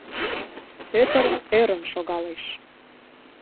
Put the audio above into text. Пӧтыр ӧрын шогалеш.